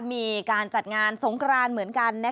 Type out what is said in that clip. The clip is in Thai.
มีการจัดงานสงครานเหมือนกัน